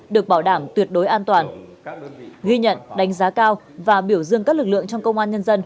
được bảo đảm tuyệt đối an toàn ghi nhận đánh giá cao và biểu dương các lực lượng trong công an nhân dân